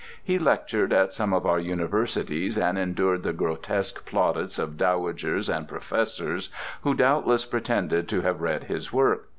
He lectured at some of our universities and endured the grotesque plaudits of dowagers and professors who doubtless pretended to have read his work.